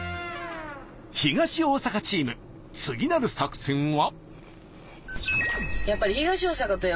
東大阪チーム次なる作戦は？